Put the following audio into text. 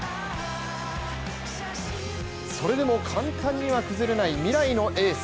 それでも簡単には崩れない未来のエース。